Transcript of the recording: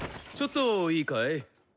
ちょっといいかい？